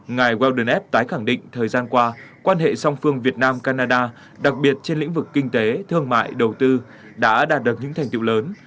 ngài wenev tái khẳng định thời gian qua quan hệ song phương việt nam canada đặc biệt trên lĩnh vực kinh tế thương mại đầu tư đã đạt được những thành tiệu lớn